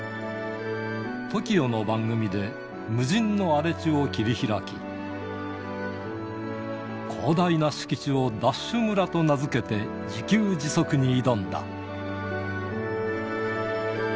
ＴＯＫＩＯの番組で無人の荒れ地を切り開き、広大な敷地をＤＡＳＨ村と名付けて自給自足に挑んだ。